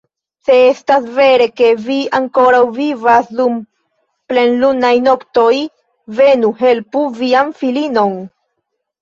Se estas vere ke vi ankoraŭ vivas dum plenlunaj noktoj, venu, helpu vian filinon!